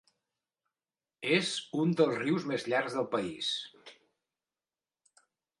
És un dels rius més llargs del país.